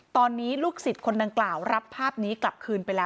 ตอนนี้ลูกศิษย์คนดังกล่าวรับภาพนี้กลับคืนไปแล้ว